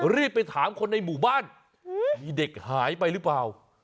รีบไปถามคนในหมู่บ้านมีเด็กหายไปหรือเปล่า